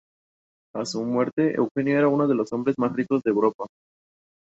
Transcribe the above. Actualmente es entrenador del club Deportivo Recoleta de la Tercera División del fútbol paraguayo.